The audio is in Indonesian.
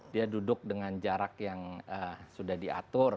dia duduk dengan jarak yang sudah diatur